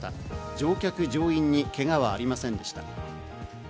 乗客乗員にけがはありませんでした。